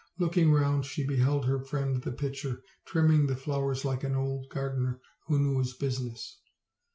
Looking round, she beheld her friend the pitcher trimming the flowers like an old gardener who knew his business.